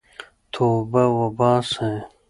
توبه وباسئ.